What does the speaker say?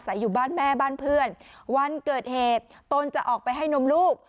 อยู่บ้านแม่บ้านเพื่อนวันเกิดเหตุตนจะออกไปให้นมลูก